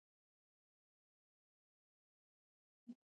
فاریاب د افغانانو د معیشت سرچینه ده.